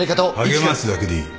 励ますだけでいい